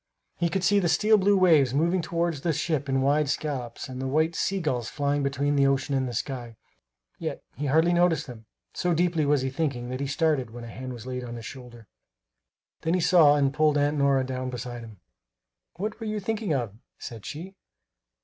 He could see the steel blue waves moving toward the ship in wide scallops and the white sea gulls flying between the ocean and the sky. Yet he hardly noticed them; so deeply was he thinking that he started when a hand was laid on his shoulder. Then he saw and pulled Aunt Nora down beside him. "What were you thinking of?" said she.